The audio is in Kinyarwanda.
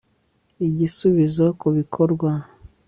Igisubizo kubikorwa